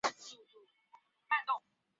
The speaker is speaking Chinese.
痢止蒿为唇形科筋骨草属下的一个种。